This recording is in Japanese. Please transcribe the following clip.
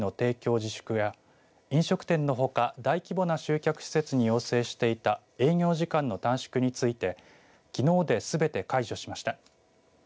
自粛や飲食店のほか大規模な集客施設に要請していた営業時間の短縮についてきのうで、すべて解除しました。